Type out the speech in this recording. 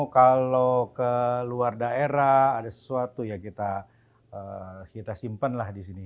kalau ke luar daerah ada sesuatu ya kita simpen lah disini